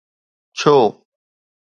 ڇو؟